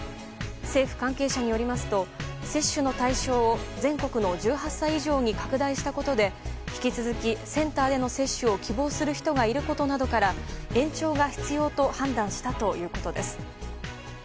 政府関係者によりますと接種の対象を全国の１８歳以上に拡大したことで引き続き、センターでの接種を希望する人がいることなどから延長が必要と判断したということです。